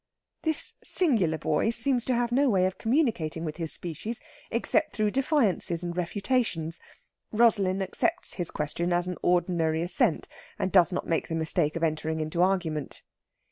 This singular boy seems to have no way of communicating with his species except through defiances and refutations. Rosalind accepts his question as an ordinary assent, and does not make the mistake of entering into argument.